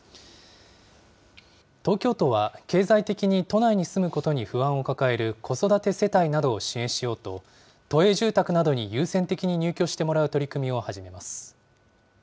東京都は、経済的に都内に住むことに不安を抱える子育て世帯などを支援しようと、都営住宅などに優先的に入居してもらう取り組みを始めます。